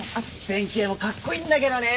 弁慶もかっこいいんだけどね。